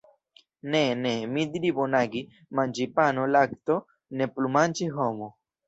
Ne, ne, mi diri bonagi, manĝi pano, lakto, ne plu manĝi homo.